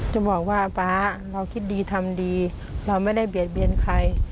จะบอกว่าป๊าเราคิดดีทำดีเราไม่ได้เบียดเบียนใคร